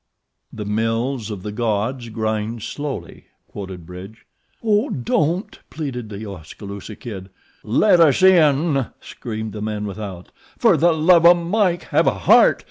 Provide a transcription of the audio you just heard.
"The mills of the Gods grind slowly," quoted Bridge. "Oh, don't!" pleaded The Oskaloosa Kid. "Let us in," screamed the men without. "Fer the luv o' Mike have a heart!